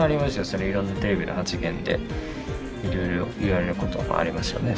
そりゃいろんなテレビの発言でいろいろ言われることもありますよね